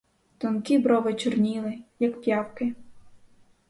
Тонкі брови чорніли, як п'явки.